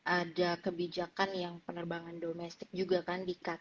ada kebijakan yang penerbangan domestik juga kan di cut